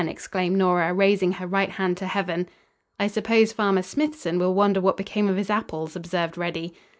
exclaimed Nora, raising her right hand to heaven. "I suppose Farmer Smithson will wonder what became of his apples," observed Reddy.